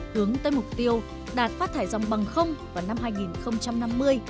hướng tới mục tiêu đạt phát thải dòng bằng không vào năm hai nghìn năm mươi